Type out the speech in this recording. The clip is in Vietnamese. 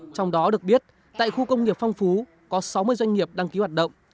trong đó được biết tại khu công nghiệp phong phú có sáu mươi doanh nghiệp đăng ký hoạt động